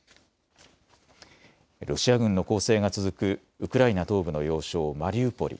ロシア軍の攻勢が続くウクライナ東部の要衝マリウポリ。